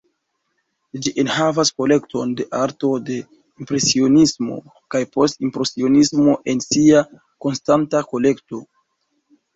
Ĝi enhavas kolekton de arto de Impresionismo kaj Post-impresionismo en sia konstanta kolekto.